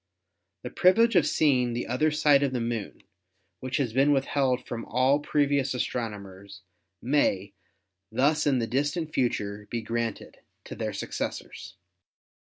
The privilege of seeing the other side of the Moon, which has been withheld from all previous astronomers, may thus in the distant future be granted to their successors."